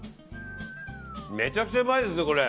めちゃくちゃうまいですね、これ。